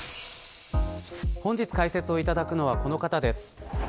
本日解説をいただくのはこの方です。